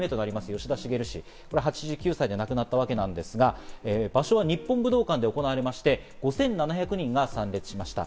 吉田茂氏が８９歳で亡くなったわけですが、場所は日本武道館で行われまして、５７００人が参列しました。